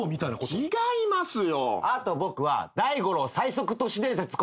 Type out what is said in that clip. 違いますよ。